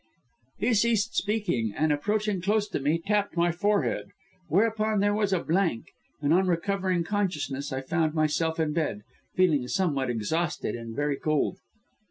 "He ceased speaking, and approaching close to me, tapped my forehead; whereupon there was a blank; and on recovering consciousness, I found myself in bed, feeling somewhat exhausted and very cold."